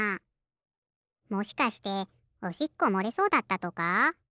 もしかしておしっこもれそうだったとか？